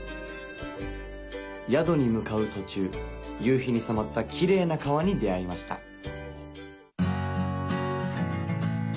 宿に向かう途中夕日に染まったきれいな川に出会いました